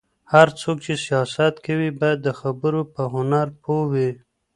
هر څوک چې سياست کوي، باید د خبرو په هنر پوه وي.